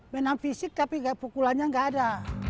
menang fisik tapi pukulannya nggak ada